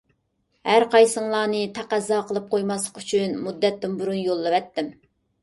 ھەر قايسىڭلارنى تەقەززا قىلىپ قويماسلىق ئۈچۈن مۇددەتتىن بۇرۇن يوللىۋەتتىم.